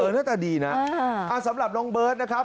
หน้าตาดีนะสำหรับน้องเบิร์ตนะครับ